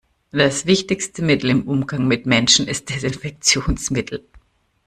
Das wichtigste Mittel im Umgang mit Menschen ist Desinfektionsmittel.